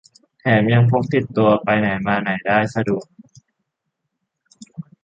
แถมยังพกติดตัวไปไหนมาไหนได้สะดวก